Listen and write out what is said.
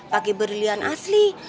pake berlian asli